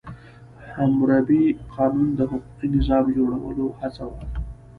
حموربي قانون د حقوقي نظام د جوړولو هڅه وه.